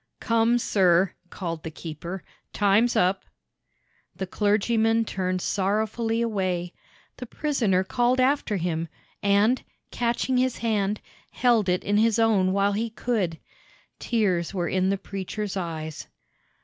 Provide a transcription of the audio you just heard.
"Come, sir," called the keeper. "Time's up." The clergyman turned sorrowfully away. The prisoner called after him, and, catching his hand, held it in his own while he could. Tears were in the preacher's eyes.